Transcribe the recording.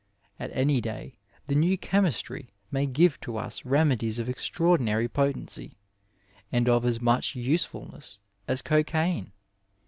At any day the new chemistry may give to us remedies of extraordinary potency and of as much usefulness as cocaine.